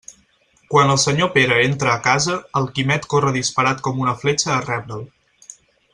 Quan el senyor Pere entra a casa, el Quimet corre disparat com una fletxa a rebre'l.